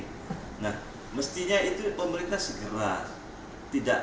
nah mestinya itu pemerintah segera tidak